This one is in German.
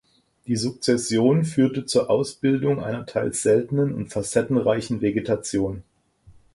Die Sukzession führte zur Ausbildung einer teils seltenen und facettenreichen Vegetation.